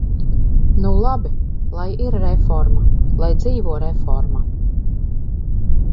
Nu labi, lai ir reforma, lai dzīvo reforma!